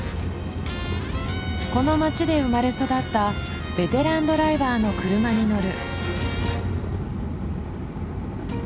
この町で生まれ育ったベテランドライバーの車に乗る。